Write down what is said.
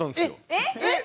えっ？